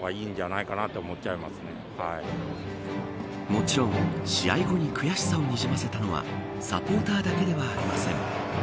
もちろん、試合後に悔しさをにじませたのはサポーターだけではありません。